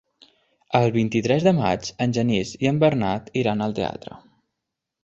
El vint-i-tres de maig en Genís i en Bernat iran al teatre.